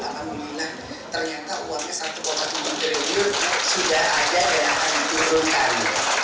alhamdulillah ternyata uangnya satu tujuh triliun sudah ada dan akan diturunkan